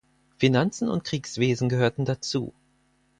Finanzen und Kriegswesen gehörten dazu.